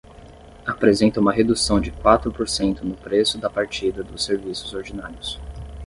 Apresenta uma redução de quatro por cento no preço da partida dos serviços ordinários.